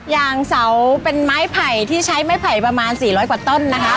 อย่างเสาเป็นไม้ไผ่ที่ใช้ไม้ไผ่ประมาณ๔๐๐กว่าต้นนะคะ